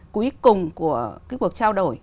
cuối cùng của cái cuộc trao đổi